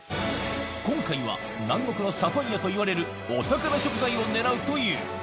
今回は南国のサファイアといわれるお宝食材を狙うという！